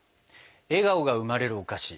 笑顔が生まれるお菓子